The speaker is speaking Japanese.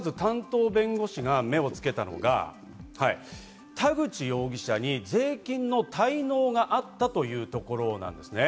で、阿武町の担当弁護士が目をつけたのが、田口容疑者に税金の滞納があったというところなんです。